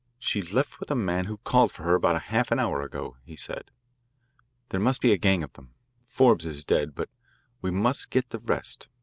"She left with a man who called for her about half an hour ago," he said. "There must be a gang of them. Forbes is dead, but we must get the rest.